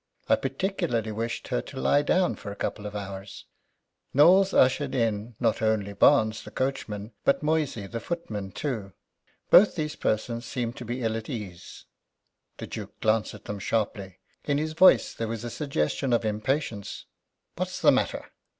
I particularly wished her to lie down for a couple of hours." Knowles ushered in not only Barnes, the coachman, but Moysey, the footman, too. Both these persons seemed to be ill at ease. The Duke glanced at them sharply. In his voice there was a suggestion of impatience. "What is the matter?"